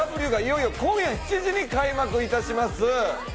『ＴＨＥＷ』がいよいよ今夜７時に開幕いたします。